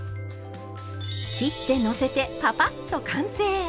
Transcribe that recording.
切ってのせてパパッと完成。